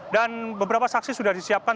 dan beberapa saksi sudah disiapkan